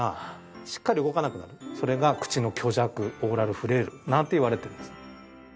それが口の虚弱オーラルフレイルなんていわれてるんですね。